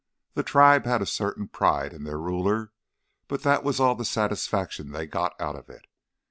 The tribe had a certain pride in their ruler, but that was all the satisfaction they got out of it.